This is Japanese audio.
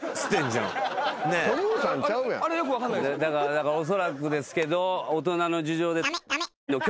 だからおそらくですけど。